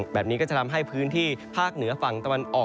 แบบนี้ก็จะทำให้พื้นที่ภาคเหนือฝั่งตะวันออก